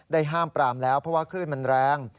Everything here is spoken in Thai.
ห้ามปรามแล้วเพราะว่าคลื่นมันแรง